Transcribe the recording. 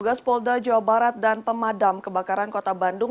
tugas polda jawa barat dan pemadam kebakaran kota bandung